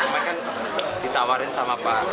mereka ditawarin sama pak